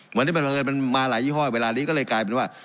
เหมือนที่มันมาหลายยี่ห้อเวลานี้ก็เลยกลายเป็นว่า